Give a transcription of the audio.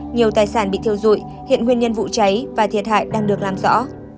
nhiều tài sản bị thiêu dụi hiện nguyên nhân vụ cháy và thiệt hại đang được làm rõ